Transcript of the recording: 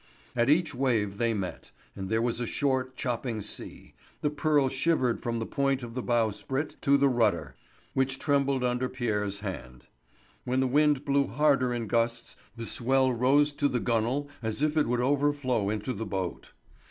At each wave they met—and there was a short, chopping sea—the Pearl shivered from the point of the bowsprit to the rudder, which trembled under Pierre's hand; when the wind blew harder in gusts, the swell rose to the gunwale as if it would overflow into the boat.